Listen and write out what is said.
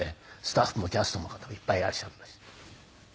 スタッフもキャストの方もいっぱいいらっしゃるんだし。